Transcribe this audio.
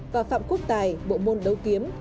và phạm quốc tài bộ môn đấu kiếm